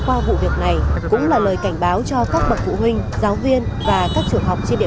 qua vụ việc này cũng là lời cảnh báo cho các bậc phụ huynh giáo viên và các trường học trên địa